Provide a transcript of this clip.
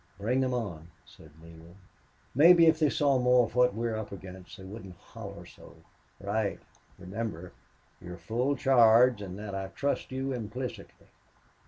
"Bring them on," said Neale. "Maybe if they saw more of what we're up against they wouldn't holler so." "Right.... Remember, you've full charge and that I trust you implicitly.